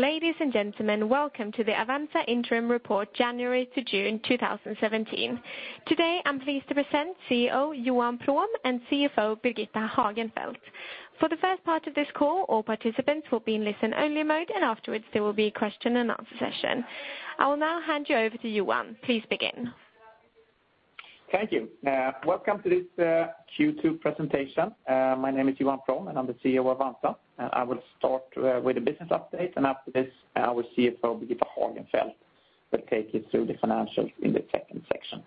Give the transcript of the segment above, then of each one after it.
Ladies and gentlemen, welcome to the Avanza interim report January to June 2017. Today, I'm pleased to present CEO Johan Prom and CFO Birgitta Hagenfeldt. For the first part of this call, all participants will be in listen only mode. Afterwards, there will be question and answer session. I will now hand you over to Johan. Please begin. Thank you. Welcome to this Q2 presentation. My name is Johan Prom, and I'm the CEO of Avanza. I will start with a business update, and after this, our CFO, Birgitta Hagenfeldt, will take you through the financials in the second section.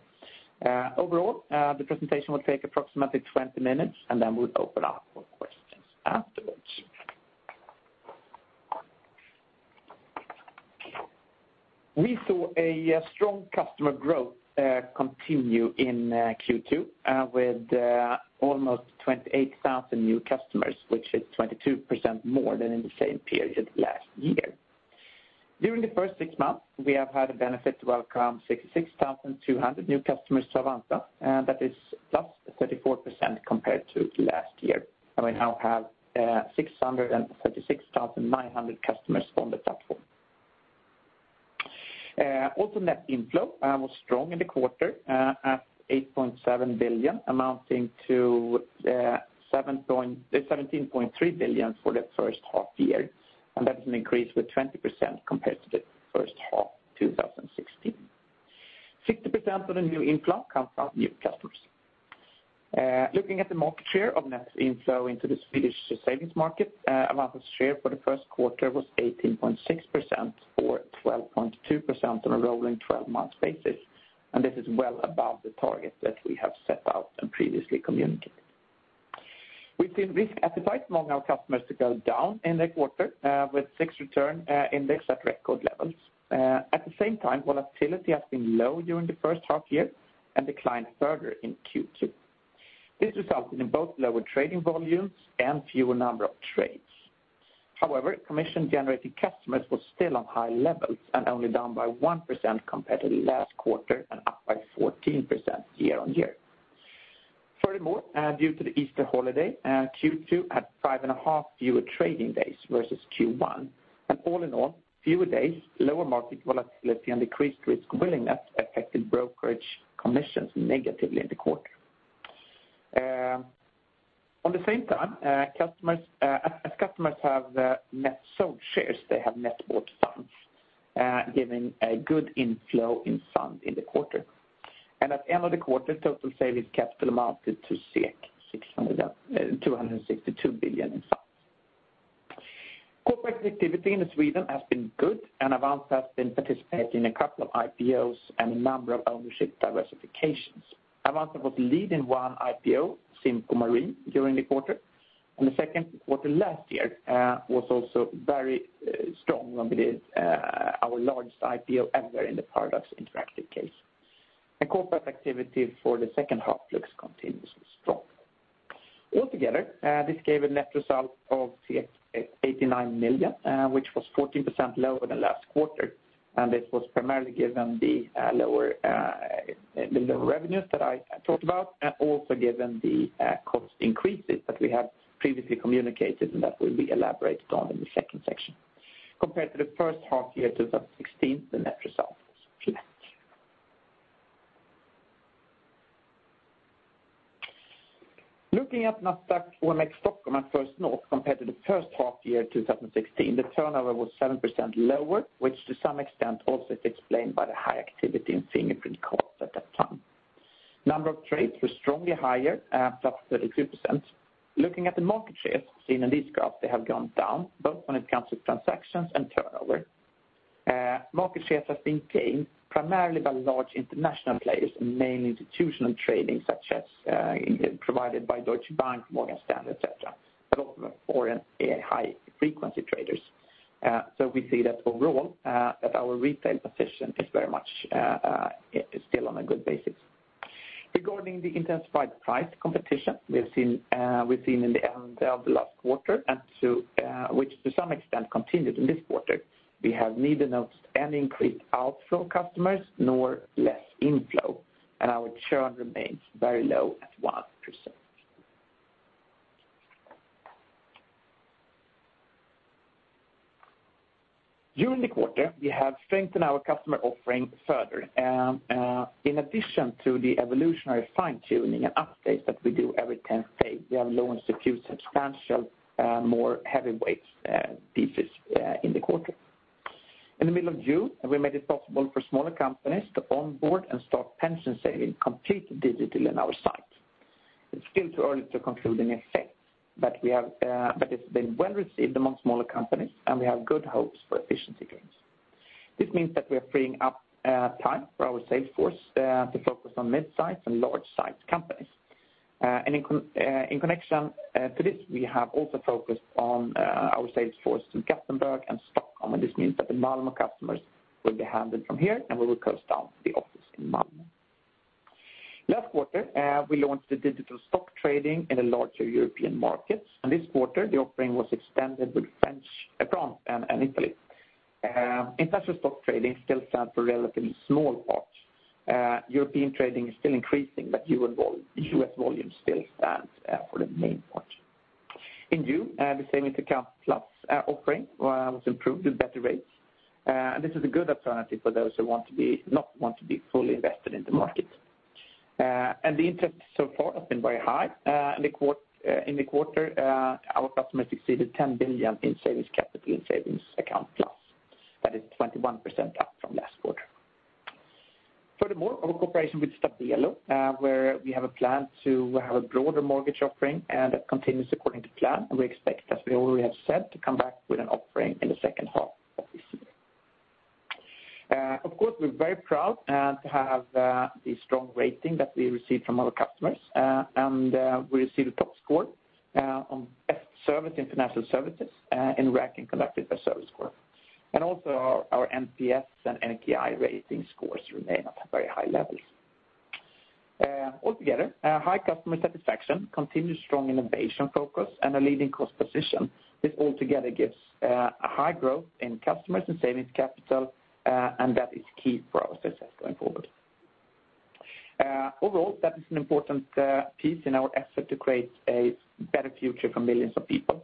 Overall, the presentation will take approximately 20 minutes, and then we'll open up for questions afterwards. We saw a strong customer growth continue in Q2 with almost 28,000 new customers, which is 22% more than in the same period last year. During the first six months, we have had the benefit to welcome 66,200 new customers to Avanza, and that is +34% compared to last year. We now have 636,900 customers on the platform. Also net inflow was strong in the quarter at 8.7 billion, amounting to 17.3 billion for the first half year, and that's an increase with 20% compared to the first half 2016. 60% of the new inflow comes from new customers. Looking at the market share of net inflow into the Swedish savings market, Avanza share for the first quarter was 18.6% or 12.2% on a rolling 12-month basis. This is well above the target that we have set out and previously communicated. We've seen risk appetite among our customers to go down in the quarter with SIX Return Index at record levels. At the same time, volatility has been low during the first half year and declined further in Q2. This resulted in both lower trading volumes and fewer number of trades. However, commission generating customers was still on high levels and only down by 1% compared to last quarter and up by 14% year-on-year. Furthermore, due to the Easter holiday, Q2 had five and a half fewer trading days versus Q1, and all in all, fewer days, lower market volatility and decreased risk willingness affected brokerage commissions negatively in the quarter. On the same time as customers have net sold shares, they have net bought funds giving a good inflow in fund in the quarter. At the end of the quarter, total savings capital amounted to 262 billion in funds. Corporate activity in Sweden has been good, and Avanza has been participating in a couple of IPOs and a number of ownership diversifications. Avanza was lead in one IPO, Simpro Marine, during the quarter, and the second quarter last year was also very strong when we did our largest IPO ever in the Paradox Interactive case. The corporate activity for the second half looks continuously strong. Altogether, this gave a net result of 89 million, which was 14% lower than last quarter. This was primarily given the lower revenues that I talked about and also given the cost increases that we have previously communicated and that will be elaborated on in the second section. Compared to the first half year 2016, the net result was flat. Looking at Nasdaq OMX Stockholm at First North compared to the first half year 2016, the turnover was 7% lower, which to some extent also is explained by the high activity in Fingerprint Cards at that time. Number of trades was strongly higher, up 32%. Looking at the market shares seen in this graph, they have gone down both when it comes to transactions and turnover. Market shares have been gained primarily by large international players and mainly institutional trading such as provided by Deutsche Bank, Morgan Stanley, et cetera, but also foreign high frequency traders. We see that overall that our retail position is still on a good basis. Regarding the intensified price competition we've seen in the end of last quarter which to some extent continues in this quarter, we have neither noticed any increased outflow customers nor less inflow, and our churn remains very low at 1%. During the quarter, we have strengthened our customer offering further. In addition to the evolutionary fine-tuning and updates that we do every 10th day, we have launched a few substantial more heavyweight pieces in the quarter. In the middle of June, we made it possible for smaller companies to onboard and start pension saving completely digitally on our site. It's still too early to conclude any effect, but it's been well received among smaller companies, and we have good hopes for efficiency gains. This means that we are freeing up time for our sales force to focus on mid-sized and large-sized companies. In connection to this, we have also focused on our sales force in Gothenburg and Stockholm. This means that the Malmö customers will be handled from here, and we will close down the office in Malmö. Last quarter, we launched the digital stock trading in the larger European markets, and this quarter the offering was expanded with France and Italy. International stock trading still stands for a relatively small part European trading is still increasing, but U.S. volume still stands for the main portion. In June, the Sparkonto+ offering was improved with better rates. This is a good alternative for those who not want to be fully invested in the market. The interest so far has been very high. In the quarter, our customers exceeded 10 billion in savings capital in Sparkonto+. That is 21% up from last quarter. Furthermore, our cooperation with Stabelo, where we have a plan to have a broader mortgage offering and that continues according to plan, and we expect, as we already have said, to come back with an offering in the second half of this year. Of course, we're very proud to have the strong rating that we received from our customers, and we received a top score on best service in financial services in ranking conducted by ServiceScore. Also our NPS and NPI rating scores remain at very high levels. Altogether, high customer satisfaction, continued strong innovation focus, and a leading cost position, this altogether gives a high growth in customers and savings capital. That is key for our success going forward. That is an important piece in our effort to create a better future for millions of people.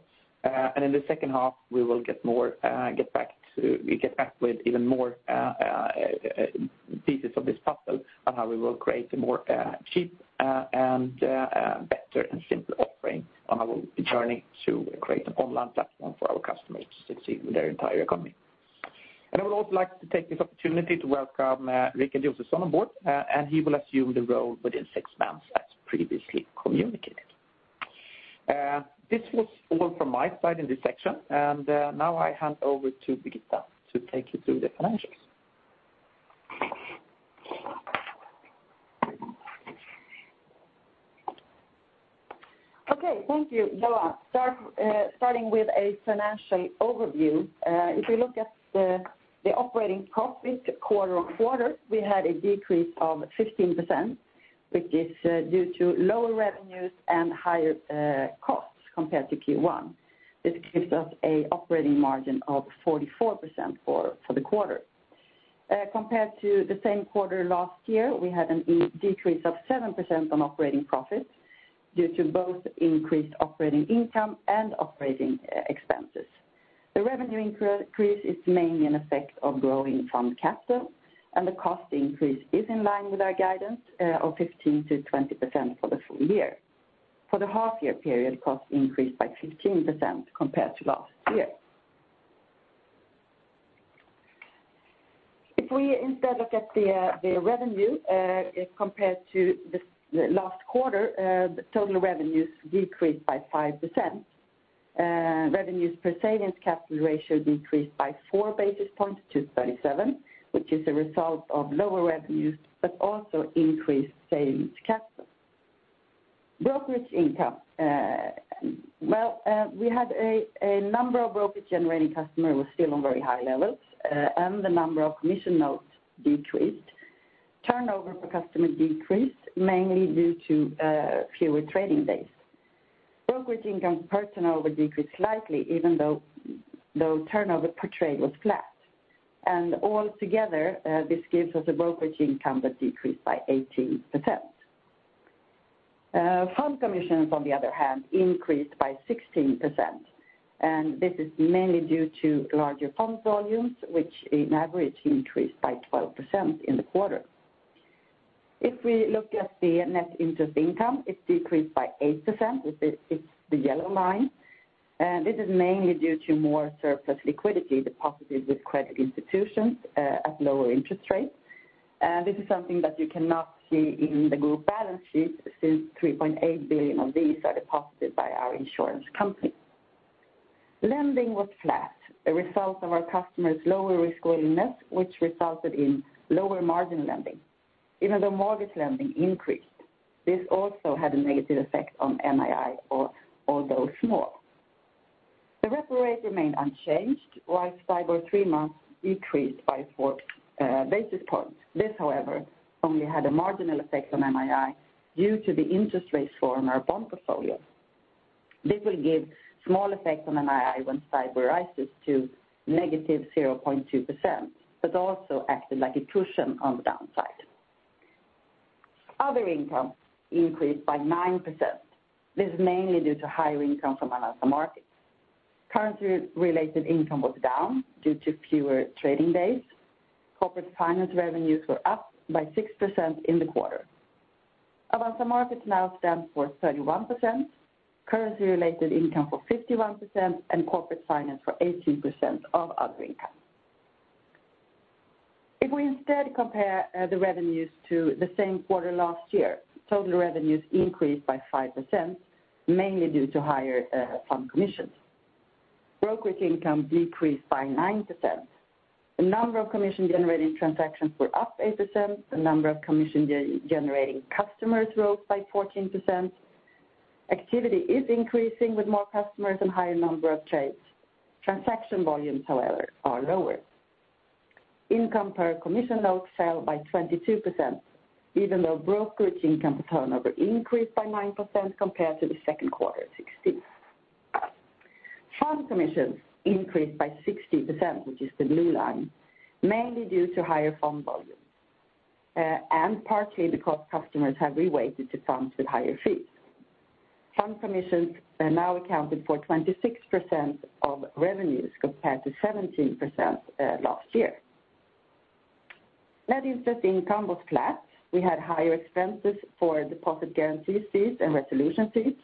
In the second half, we will get back with even more pieces of this puzzle on how we will create a more cheap and better and simpler offering on our journey to create an online platform for our customers to succeed in their entire economy. I would also like to take this opportunity to welcome Rikard Josefson on board, he will assume the role within six months as previously communicated. This was all from my side in this section, now I hand over to Birgitta to take you through the financials. Thank you, Johan. Starting with a financial overview. If you look at the operating profit quarter-over-quarter, we had a decrease of 15%, which is due to lower revenues and higher costs compared to Q1. This gives us a operating margin of 44% for the quarter. Compared to the same quarter last year, we had a decrease of 7% on operating profit due to both increased operating income and operating expenses. The revenue increase is mainly an effect of growing fund capital, the cost increase is in line with our guidance of 15%-20% for the full year. For the half-year period, costs increased by 15% compared to last year. If we instead look at the revenue compared to the last quarter, the total revenues decreased by 5%. Revenues per savings capital ratio decreased by four basis points to 37, which is a result of lower revenues, also increased savings capital. Brokerage income. We had a number of brokerage-generating customers was still on very high levels, the number of commission notes decreased. Turnover per customer decreased mainly due to fewer trading days. Brokerage income per turnover decreased slightly even though turnover per trade was flat. Altogether, this gives us a brokerage income that decreased by 18%. Fund commissions, on the other hand, increased by 16%, this is mainly due to larger fund volumes, which in average increased by 12% in the quarter. If we look at the net interest income, it decreased by 8%, it's the yellow line. This is mainly due to more surplus liquidity deposited with credit institutions at lower interest rates. This is something that you cannot see in the group balance sheet since 3.8 billion of these are deposited by our insurance company. Lending was flat, a result of our customers' lower risk willingness, which resulted in lower margin lending, even though mortgage lending increased. This also had a negative effect on NII, although small. The repo rate remained unchanged, while STIBOR three months increased by four basis points. This, however, only had a marginal effect on NII due to the interest rates for our bond portfolio. This will give small effect on NII when STIBOR rises to negative 0.2%, also acted like a cushion on the downside. Other income increased by 9%. This is mainly due to higher income from Avanza Markets. Currency-related income was down due to fewer trading days. Corporate finance revenues were up by 6% in the quarter. Avanza Markets now stands for 31%, currency-related income for 51%, and corporate finance for 18% of other income. We instead compare the revenues to the same quarter last year, total revenues increased by 5%, mainly due to higher fund commissions. Brokerage income decreased by 9%. The number of commission-generating transactions were up 8%, the number of commission-generating customers rose by 14%. Activity is increasing with more customers and higher number of trades. Transaction volumes, however, are lower. Income per commission note fell by 22%, even though brokerage income turnover increased by 9% compared to the second quarter of 2016. Fund commissions increased by 60%, which is the blue line, mainly due to higher fund volumes, and partly because customers have reweighted to funds with higher fees. Fund commissions now accounted for 26% of revenues, compared to 17% last year. Net interest income was flat. We had higher expenses for deposit guarantees fees and resolution fees.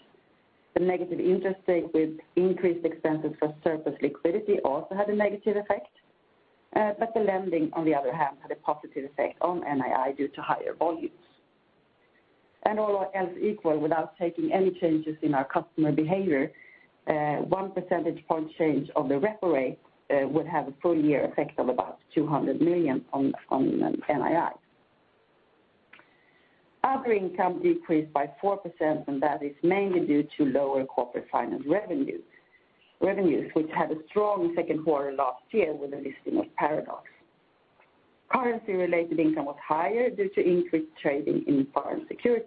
The negative interest rate with increased expenses for surplus liquidity also had a negative effect. The lending, on the other hand, had a positive effect on NII due to higher volumes. All else equal, without taking any changes in our customer behavior, one percentage point change of the repo rate would have a full-year effect of about 200 million on NII. Other income decreased by 4%, and that is mainly due to lower corporate finance revenues, which had a strong second quarter last year with the listing of Paradox. Currency-related income was higher due to increased trading in foreign securities.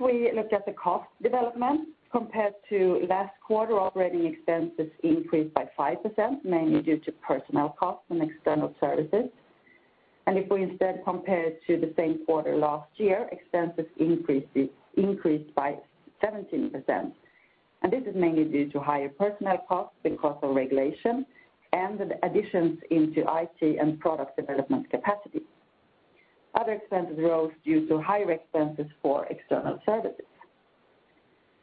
We look at the cost development compared to last quarter, operating expenses increased by 5%, mainly due to personnel costs and external services. If we instead compare to the same quarter last year, expenses increased by 17%. This is mainly due to higher personnel costs because of regulation and the additions into IT and product development capacity. Other expenses rose due to higher expenses for external services.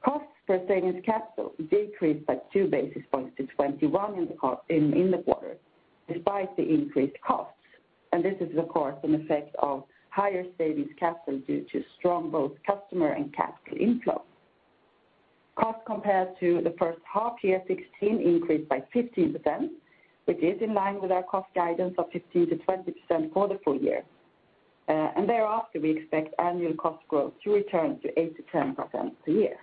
Cost per savings capital decreased by 2 basis points to 21 basis points in the quarter despite the increased costs. This is, of course, an effect of higher savings capital due to strong both customer and capital inflow. Cost compared to the first half year 2016 increased by 15%, which is in line with our cost guidance of 15%-20% for the full year. Thereafter, we expect annual cost growth to return to 8%-10% per year.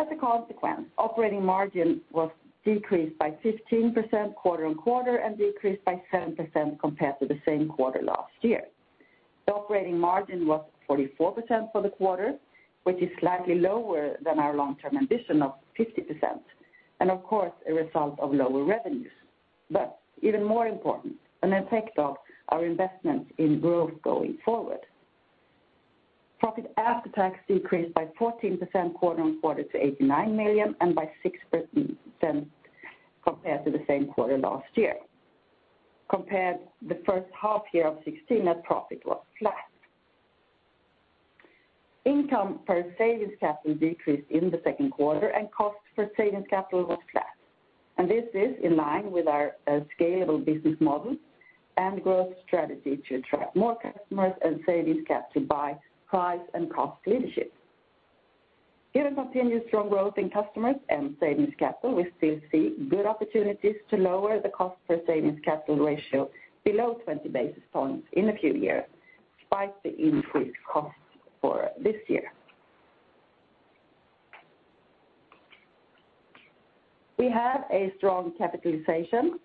As a consequence, operating margin was decreased by 15% quarter-on-quarter and decreased by 7% compared to the same quarter last year. The operating margin was 44% for the quarter, which is slightly lower than our long-term ambition of 50%, and of course, a result of lower revenues. Even more important, an effect of our investments in growth going forward. Profit after tax decreased by 14% quarter-on-quarter to 89 million and by 6% compared to the same quarter last year. Compared the first half year of 2016, net profit was flat. Income per savings capital decreased in the second quarter and cost per savings capital was flat. This is in line with our scalable business model and growth strategy to attract more customers and savings capital by price and cost leadership. Given continued strong growth in customers and savings capital, we still see good opportunities to lower the cost per savings capital ratio below 20 basis points in a few years despite the increased costs for this year. We have a strong capitalization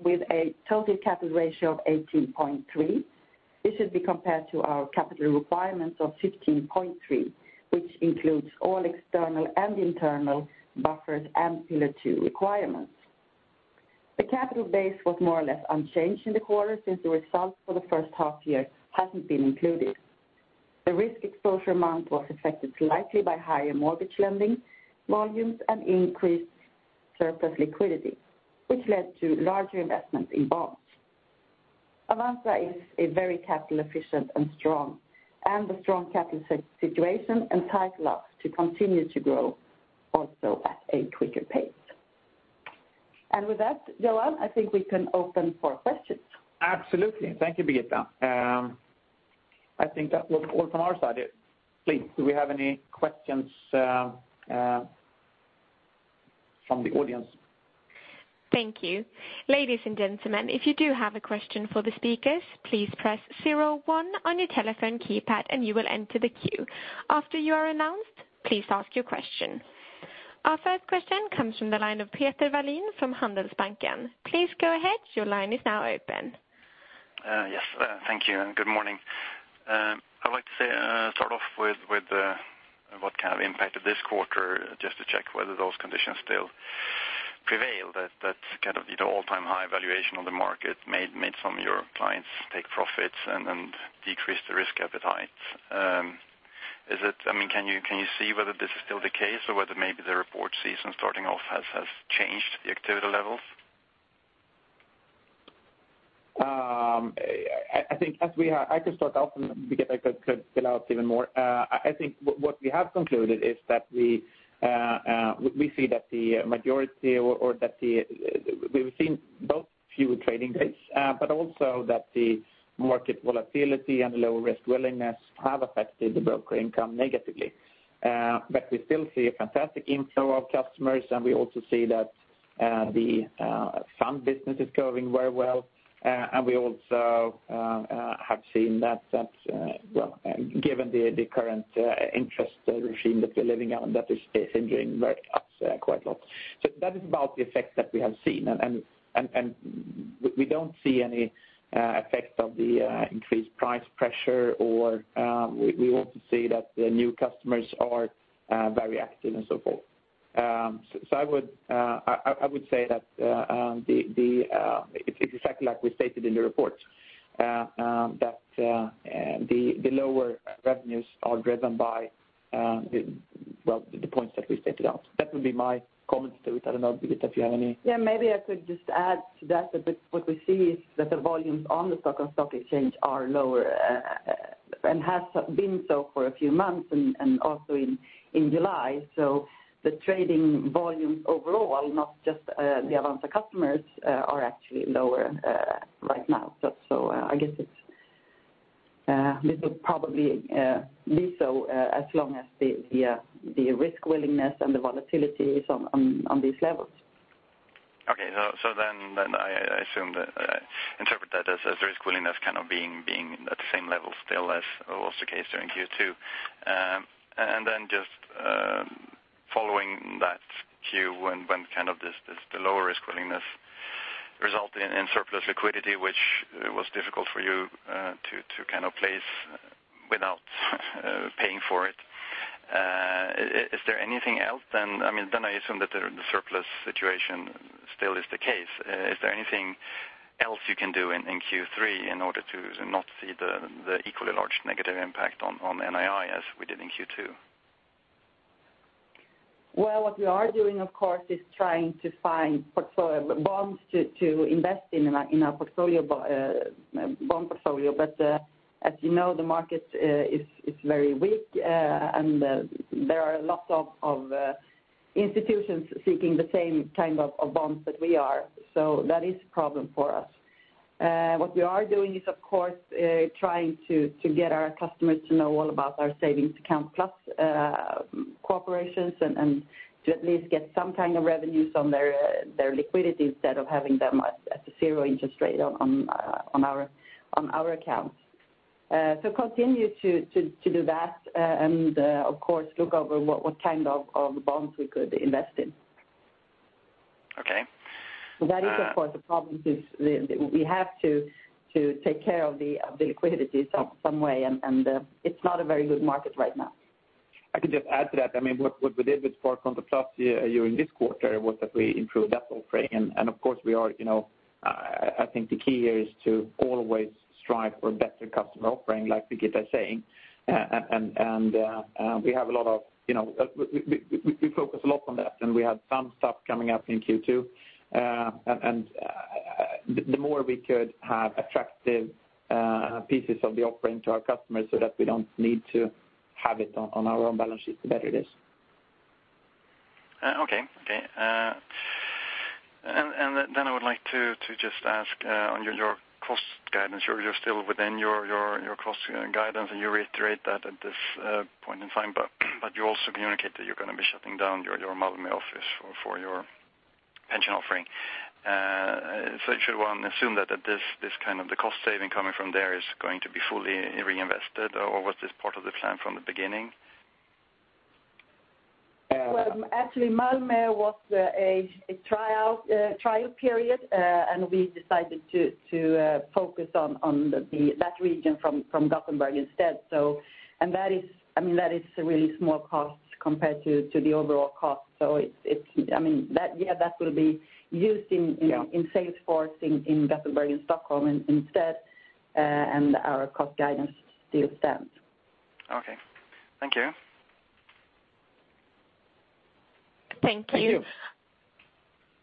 with a total capital ratio of 18.3. This should be compared to our capital requirements of 15.3, which includes all external and internal buffers and Pillar 2 requirements. The capital base was more or less unchanged in the quarter since the results for the first half year hasn't been included. The risk exposure amount was affected slightly by higher mortgage lending volumes and increased surplus liquidity, which led to larger investments in bonds. Avanza is very capital efficient and strong, and the strong capital situation entitles us to continue to grow also at a quicker pace. With that, Johan, I think we can open for questions. Absolutely. Thank you, Birgitta. I think that was all from our side. Please, do we have any questions from the audience? Thank you. Ladies and gentlemen, if you do have a question for the speakers, please press 01 on your telephone keypad and you will enter the queue. After you are announced, please ask your question. Our first question comes from the line of Peter Wallin from Handelsbanken. Please go ahead, your line is now open. Yes. Thank you and good morning. I'd like to start off with what kind of impact of this quarter, just to check whether those conditions still prevail, that kind of all-time high valuation on the market made some of your clients take profits and decrease the risk appetite. Can you see whether this is still the case or whether maybe the report season starting off has changed the activity levels? I could start off and Birgitta could fill out even more. I think what we have concluded is that we've seen both fewer trading days, but also that the market volatility and lower risk willingness have affected the broker income negatively. We still see a fantastic inflow of customers, and we also see that the fund business is going very well. We also have seen that given the current interest regime that we're living in, that is hindering us quite a lot. That is about the effect that we have seen and we don't see any effects of the increased price pressure, or we want to see that the new customers are very active and so forth. I would say that it's exactly like we stated in the report, that the lower revenues are driven by the points that we stated out. That would be my comments to it. I don't know, Birgitta, if you have any. Maybe I could just add to that what we see is that the volumes on the Stockholm stock exchange are lower, and have been so for a few months and also in July. The trading volumes overall, not just the Avanza customers, are actually lower right now. I guess it will probably be so as long as the risk willingness and the volatility is on these levels. I interpret that as risk willingness being at the same level still as was the case during Q2. Just following that cue, when the lower risk willingness resulted in surplus liquidity, which was difficult for you to place without paying for it. Is there anything else then? I assume that the surplus situation still is the case. Is there anything else you can do in Q3 in order to not see the equally large negative impact on NII as we did in Q2? What we are doing, of course, is trying to find bonds to invest in our bond portfolio. As you know, the market is very weak, and there are lots of institutions seeking the same kind of bonds that we are. That is a problem for us. What we are doing is, of course, trying to get our customers to know all about our savings account plus cooperations and to at least get some kind of revenues on their liquidity instead of having them at a zero interest rate on our accounts. Continue to do that and, of course, look over what kind of bonds we could invest in. Okay. That is, of course, the problem is we have to take care of the liquidity some way, and it's not a very good market right now. I could just add to that. What we did with Sparkonto+ during this quarter was that we improved that offering. Of course, I think the key here is to always strive for better customer offering, like Birgitta is saying. We focus a lot on that, and we have some stuff coming up in Q2. The more we could have attractive pieces of the offering to our customers so that we don't need to have it on our own balance sheet, the better it is. Okay. I would like to just ask on your cost guidance, you're still within your cost guidance, and you reiterate that at this point in time, but you also communicate that you're going to be shutting down your Malmö office for your pension offering. Should one assume that the cost saving coming from there is going to be fully reinvested, or was this part of the plan from the beginning? Well, actually, Malmö was a trial period. We decided to focus on that region from Gothenburg instead. That is a really small cost compared to the overall cost. That will be used in sales force in Gothenburg and Stockholm instead, and our cost guidance still stands. Okay. Thank you. Thank you.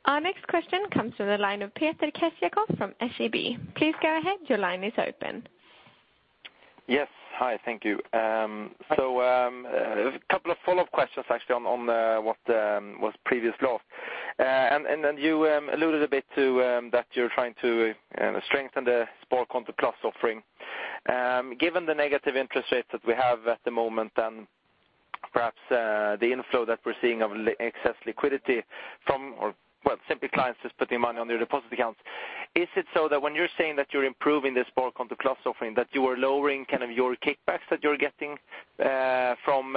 Our next question comes from the line of Peter Kjesen from SEB. Please go ahead. Your line is open. Yes, hi. Thank you. A couple of follow-up questions actually on what was previously asked. You alluded a bit to that you're trying to strengthen the Sparkonto+ offering. Given the negative interest rates that we have at the moment and perhaps the inflow that we're seeing of excess liquidity from, or simply clients just putting money on their deposit accounts, is it so that when you're saying that you're improving the Sparkonto+ offering, that you are lowering your kickbacks that you're getting from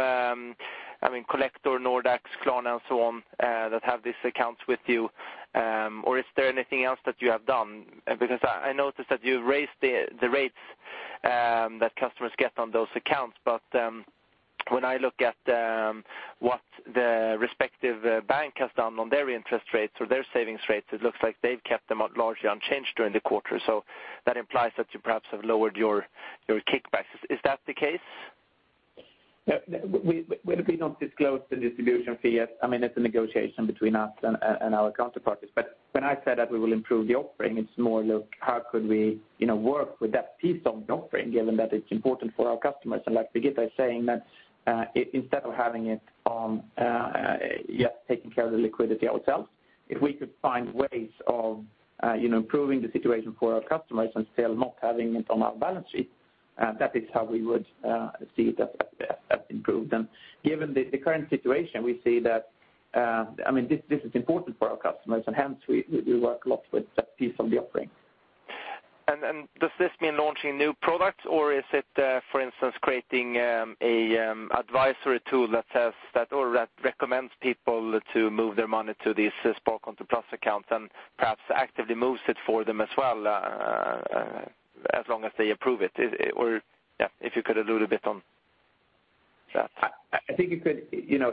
Collector, Nordax, Klarna, and so on that have these accounts with you? Or is there anything else that you have done? Because I noticed that you raised the rates that customers get on those accounts. When I look at what the respective bank has done on their interest rates or their savings rates, it looks like they've kept them largely unchanged during the quarter. That implies that you perhaps have lowered your kickbacks. Is that the case? We have not disclosed the distribution fee yet. It's a negotiation between us and our counterparties. When I said that we will improve the offering, it's more look how could we work with that piece of the offering, given that it's important for our customers. Like Birgitta is saying, that instead of having it on just taking care of the liquidity ourselves, if we could find ways of improving the situation for our customers and still not having it on our balance sheet, that is how we would see it as improved. Given the current situation, we see that this is important for our customers, and hence we work a lot with that piece of the offering. Does this mean launching new products or is it for instance, creating a advisory tool that recommends people to move their money to the Sparkonto+ account and perhaps actively moves it for them as well, as long as they approve it? If you could allude a bit on that. I think it could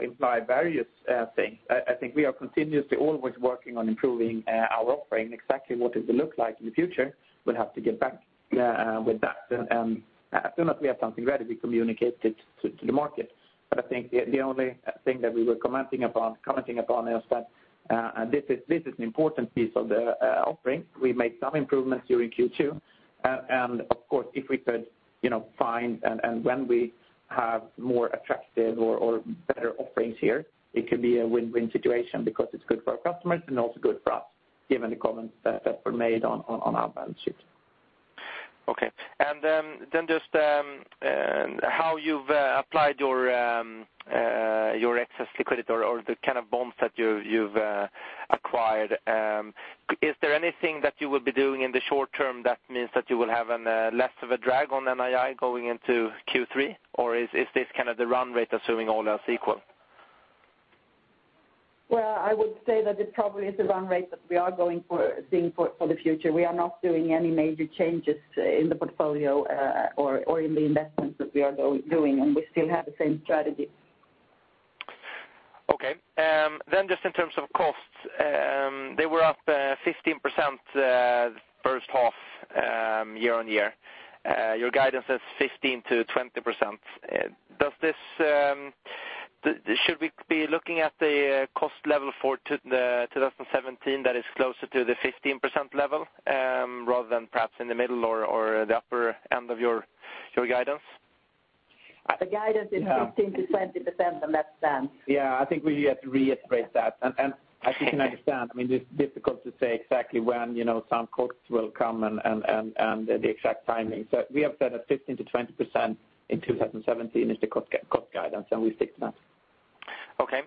imply various things. I think we are continuously always working on improving our offering. Exactly what it will look like in the future, we'll have to get back with that. As soon as we have something ready, we communicate it to the market. I think the only thing that we were commenting upon is that this is an important piece of the offering. We made some improvements during Q2, of course, if we could find and when we have more attractive or better offerings here, it could be a win-win situation because it's good for our customers and also good for us given the comments that were made on our balance sheet. Just how you've applied your excess liquidity or the kind of bonds that you've acquired. Is there anything that you will be doing in the short term that means that you will have less of a drag on NII going into Q3? Or is this the run rate assuming all else equal? Well, I would say that it probably is a run rate that we are seeing for the future. We are not doing any major changes in the portfolio or in the investments that we are doing and we still have the same strategy. Just in terms of costs, they were up 15% the first half year-over-year. Your guidance is 15%-20%. Should we be looking at the cost level for 2017 that is closer to the 15% level rather than perhaps in the middle or the upper end of your guidance? The guidance is 15%-20% and that stands. I think we have to reiterate that. As you can understand, it's difficult to say exactly when some cuts will come and the exact timing. We have said that 15%-20% in 2017 is the cost guidance and we stick to that. Okay.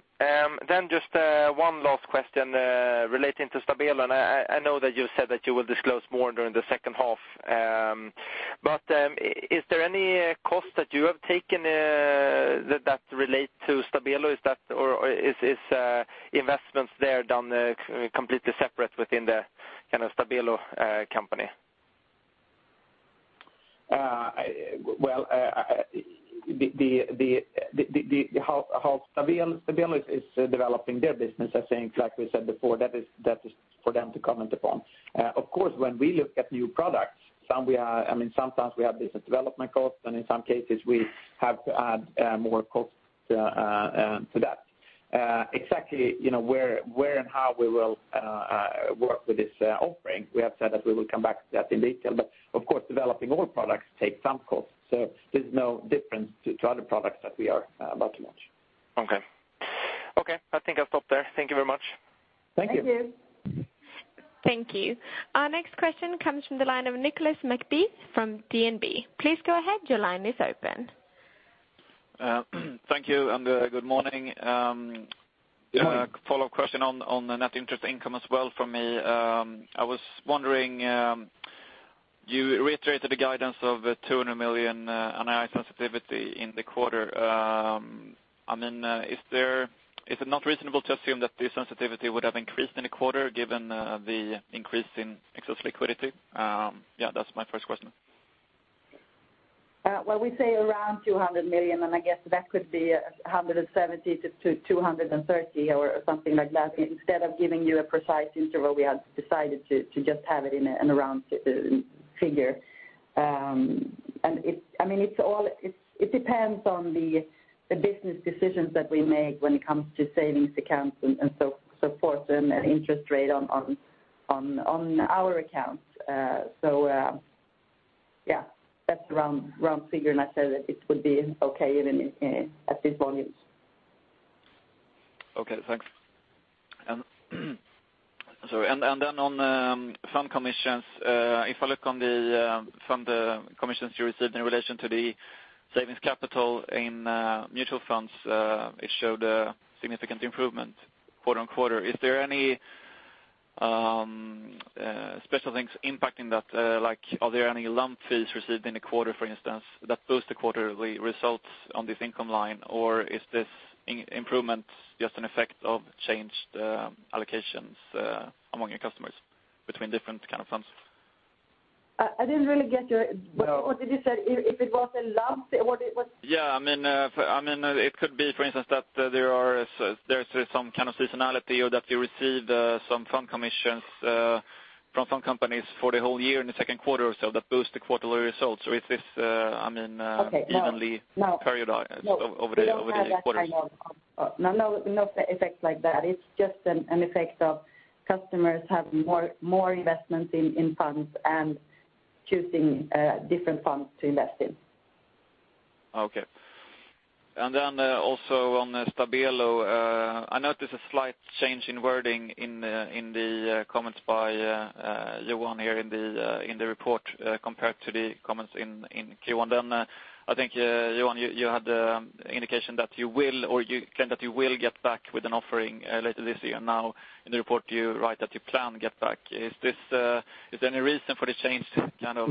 Just one last question relating to Stabelo. I know that you said that you will disclose more during the second half. Is there any cost that you have taken that relate to Stabelo? Is investments there done completely separate within the Stabelo company? Well, how Stabelo is developing their business, I think like we said before, that is for them to comment upon. Of course, when we look at new products, sometimes we have business development costs and in some cases we have to add more costs to that. Exactly where and how we will work with this offering, we have said that we will come back to that in detail. Of course, developing all products take some costs, there's no difference to other products that we are about to launch. Okay. I think I'll stop there. Thank you very much. Thank you. Thank you. Thank you. Our next question comes from the line of Nicklas Färm from DNB. Please go ahead. Your line is open. Thank you and good morning. Good morning. Follow-up question on the net interest income as well from me. I was wondering, you reiterated the guidance of 200 million NII sensitivity in the quarter. Is it not reasonable to assume that this sensitivity would have increased in a quarter given the increase in excess liquidity? Yeah, that's my first question. Well, we say around 200 million and I guess that could be 170-230 or something like that. Instead of giving you a precise interval, we have decided to just have it in a round figure. It depends on the business decisions that we make when it comes to savings accounts and so forth and interest rate on our accounts. Yeah, that's the round figure and I said that it would be okay even at these volumes. Okay, thanks. Then on fund commissions, if I look on the fund commissions you received in relation to the savings capital in mutual funds it showed a significant improvement quarter-on-quarter. Is there any special things impacting that? Are there any lump fees received in a quarter, for instance, that boost the quarterly results on this income line? Is this improvement just an effect of changed allocations among your customers between different kind of funds? I didn't really get your. What did you say? If it was a lump? Yeah. It could be, for instance, that there's some kind of seasonality or that you received some fund commissions from fund companies for the whole year in the second quarter or so that boost the quarterly results or is this evenly period over the quarters? No effects like that. It's just an effect of customers have more investments in funds and choosing different funds to invest in. Okay. Also on the Stabelo, I noticed a slight change in wording in the comments by Johan here in the report compared to the comments in Q1. I think, Johan, you had the indication that you will get back with an offering later this year. Now in the report, you write that you plan to get back. Is there any reason for the change kind of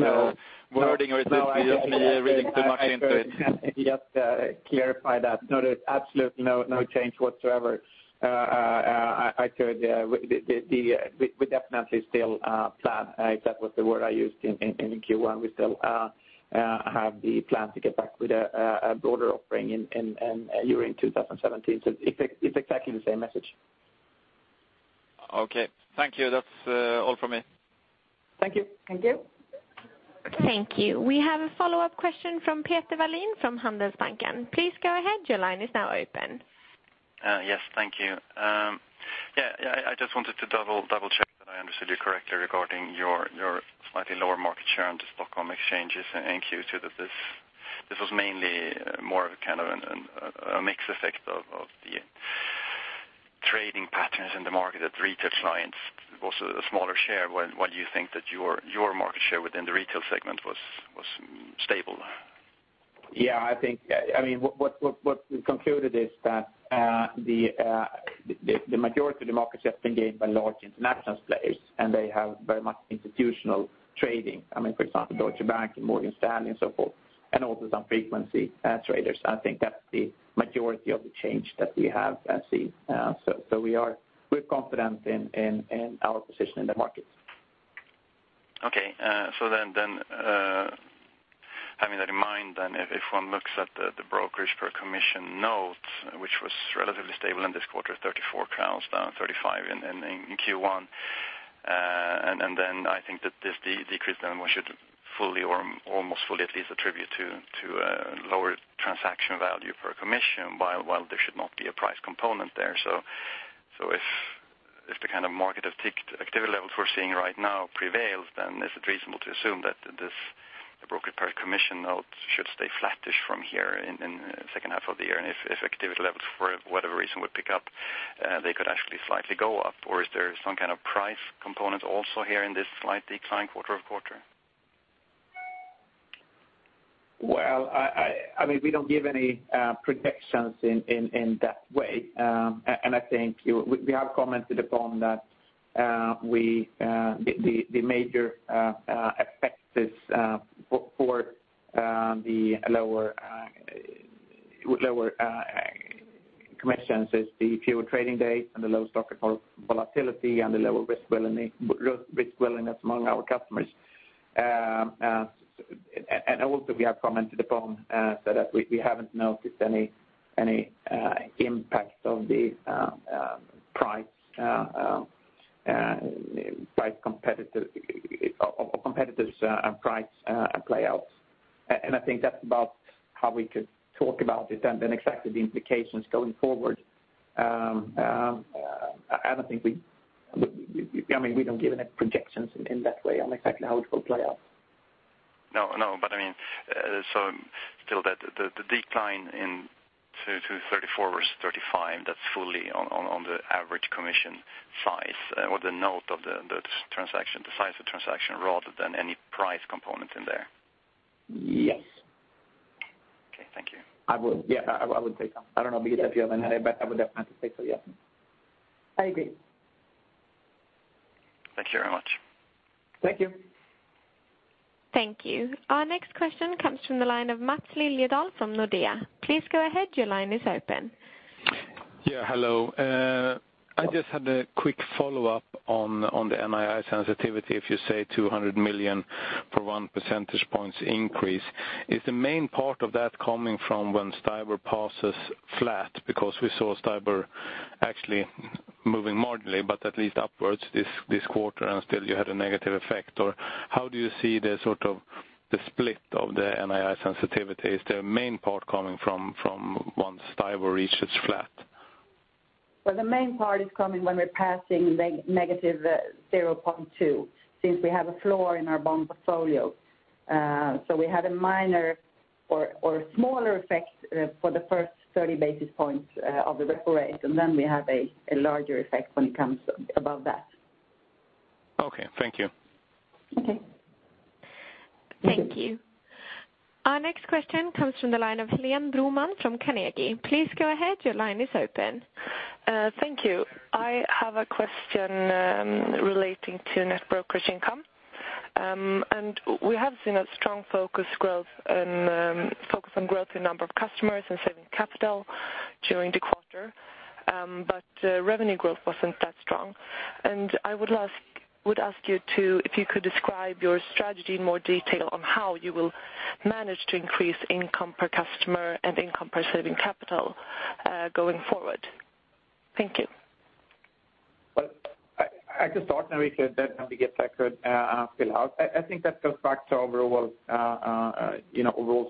wording, or is it just me reading too much into it? Yes. Clarify that. No, there's absolutely no change whatsoever. I heard we definitely still plan. If that was the word I used in Q1, we still have the plan to get back with a broader offering during 2017. It's exactly the same message. Okay. Thank you. That's all from me. Thank you. Thank you. Thank you. We have a follow-up question from Peter Wallin, from Handelsbanken. Please go ahead. Your line is now open. Yes. Thank you. I just wanted to double-check that I understood you correctly regarding your slightly lower market share on the Stockholm exchanges in Q2, that this was mainly more of a kind of a mixed effect of the trading patterns in the market, that retail clients was a smaller share while you think that your market share within the retail segment was stable. Yeah, I think what we concluded is that the majority of the market share has been gained by large international players, and they have very much institutional trading. For example, Deutsche Bank and Morgan Stanley and so forth, and also some frequency traders. I think that's the majority of the change that we have seen. We're confident in our position in the market. Okay. Having that in mind then, if one looks at the brokerage per commission note, which was relatively stable in this quarter, 34 crowns, down 35 in Q1. I think that this decrease then we should fully or almost fully at least attribute to a lower transaction value per commission while there should not be a price component there. If the kind of market activity levels we're seeing right now prevails, then is it reasonable to assume that this brokerage per commission note should stay flattish from here in the second half of the year? If activity levels for whatever reason would pick up, they could actually slightly go up? Is there some kind of price component also here in this slight decline quarter-over-quarter? Well, we don't give any predictions in that way. I think we have commented upon that the major effects for the lower commissions is the fewer trading days and the low stock volatility and the low risk willingness among our customers. We have commented upon so that we haven't noticed any impact of the competitive price play-outs. I think that's about how we could talk about it and then exactly the implications going forward. We don't give any projections in that way on exactly how it will play out. No. Still the decline in to 34 versus 35, that's fully on the average commission size or the note of the transaction, the size of transaction rather than any price component in there. Yes. Okay. Thank you. I will. Yeah. I would say so. I don't know, Birgitta, if you have any, but I would definitely say so, yeah. I agree. Thank you very much. Thank you. Thank you. Our next question comes from the line of Mats Lilljedahl from Nordea. Please go ahead. Your line is open. Hello. I just had a quick follow-up on the NII sensitivity. If you say 200 million per one percentage points increase, is the main part of that coming from when STIBOR passes flat? Because we saw STIBOR actually moving marginally, but at least upwards this quarter, and still you had a negative effect. Or how do you see the split of the NII sensitivity? Is the main part coming from when STIBOR reaches flat? The main part is coming when we're passing negative 0.2, since we have a floor in our bond portfolio. So we had a minor or a smaller effect for the first 30 basis points of the repo rate, and then we have a larger effect when it comes above that. Okay. Thank you. Okay. Thank you. Our next question comes from the line of Helén Broman from Carnegie. Please go ahead. Your line is open. Thank you. I have a question relating to net brokerage income. We have seen a strong focus on growth in number of customers and saving capital during the quarter. Revenue growth wasn't that strong. I would ask you if you could describe your strategy in more detail on how you will manage to increase income per customer and income per saving capital going forward. Thank you. Well, I could start, Birgitta could fill out. I think that goes back to our overall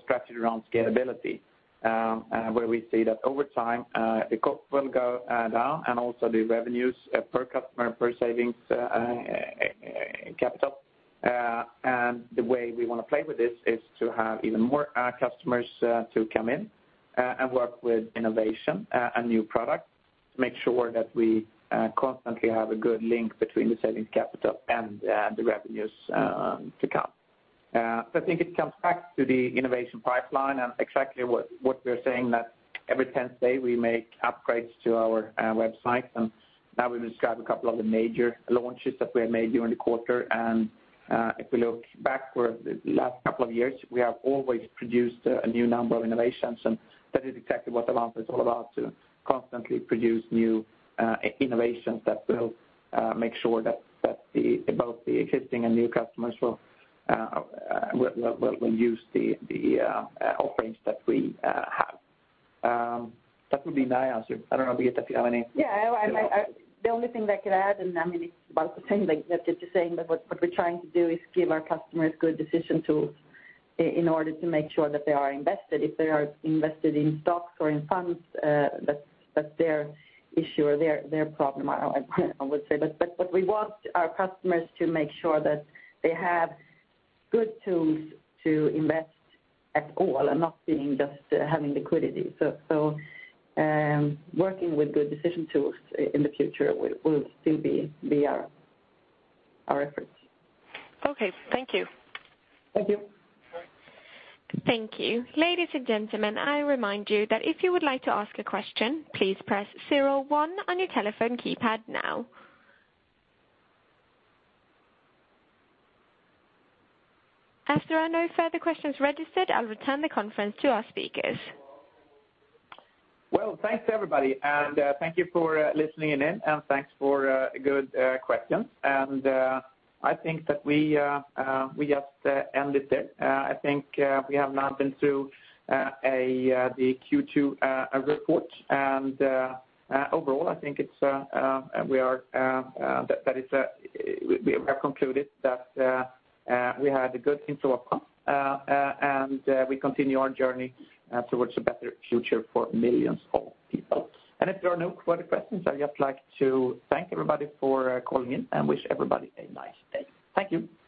strategy around scalability. Where we see that over time the cost will go down and also the revenues per customer, per savings capital. The way we want to play with this is to have even more customers to come in and work with innovation and new products to make sure that we constantly have a good link between the savings capital and the revenues to come. I think it comes back to the innovation pipeline and exactly what we're saying, that every 10 days we make upgrades to our website, and now we've described a couple of the major launches that we have made during the quarter. If we look backward the last couple of years, we have always produced a new number of innovations, and that is exactly what Avanza is all about, to constantly produce new innovations that will make sure that both the existing and new customers will use the offerings that we have. That would be my answer. I don't know, Birgitta, if you have any. Yeah. The only thing that I could add, it's about the same that you're saying, that what we're trying to do is give our customers good decision tools in order to make sure that they are invested. If they are invested in stocks or in funds that's their issue or their problem, I would say. We want our customers to make sure that they have good tools to invest at all and not being just having liquidity. Working with good decision tools in the future will still be our efforts. Okay, thank you. Thank you. Thank you. Ladies and gentlemen, I remind you that if you would like to ask a question, please press 01 on your telephone keypad now. As there are no further questions registered, I'll return the conference to our speakers. Well, thanks everybody, and thank you for listening in, and thanks for good questions. I think that we just ended it. I think we have now been through the Q2 report, and overall I think we have concluded that we had a good thing to welcome, and we continue our journey towards a better future for millions of people. If there are no further questions, I'd just like to thank everybody for calling in and wish everybody a nice day. Thank you.